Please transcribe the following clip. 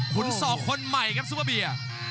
ขุนสอกคนใหม่ครับซูเปอร์เบียร์